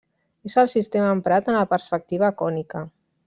És el sistema emprat en la perspectiva cònica.